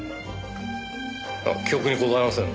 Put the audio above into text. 記憶にございません。